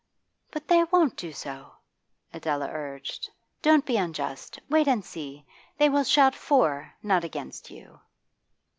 'But they won't do so,' Adela urged. 'Don't be unjust. Wait and see. They will shout for, not against you.